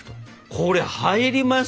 これ入ります？